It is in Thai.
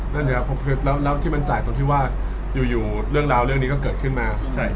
นั่นสิครับแล้วที่มันแปลกตรงที่ว่าอยู่เรื่องราวเรื่องนี้ก็เกิดขึ้นมา